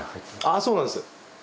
あそうなんです。